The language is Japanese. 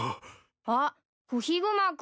・あっコヒグマ君。